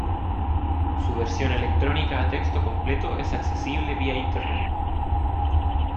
Su versión electrónica a texto completo es accesible vía internet.